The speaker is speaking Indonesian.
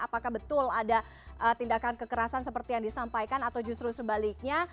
apakah betul ada tindakan kekerasan seperti yang disampaikan atau justru sebaliknya